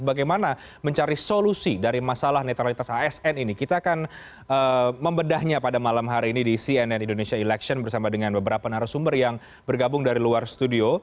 bagaimana mencari solusi dari masalah netralitas asn ini kita akan membedahnya pada malam hari ini di cnn indonesia election bersama dengan beberapa narasumber yang bergabung dari luar studio